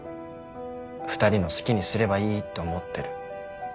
２人の好きにすればいいって思ってる。